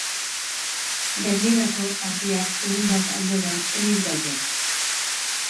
Gainerako ardiak, ehun bat aldera, onik daude.